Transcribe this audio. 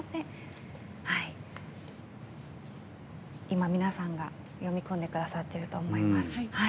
今、皆さんが読み込んでくださっていると思います。